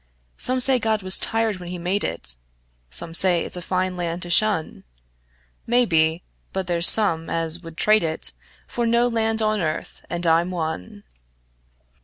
Some say God was tired when He made it; Some say it's a fine land to shun; Maybe; but there's some as would trade it For no land on earth and I'm one.